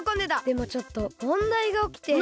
でもちょっともんだいがおきて。